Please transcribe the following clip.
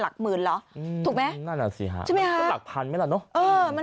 หลักหมื่นเหรอถูกมั้ย